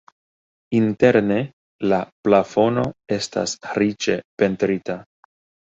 Interne la plafono estas riĉe pentrita.